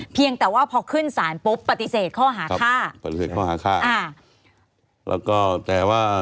เพียงแต่ว่าพอขึ้นสารปุ๊บปฏิเสธข้อหาค่า